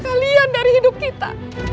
kalian dari hidup kita